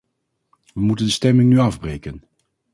We moeten de stemming nu afbreken.